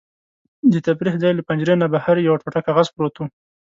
د تفریح ځای له پنجرې نه بهر یو ټوټه کاغذ پروت و.